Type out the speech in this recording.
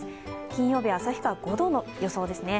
金曜日、旭川は５度の予想ですね。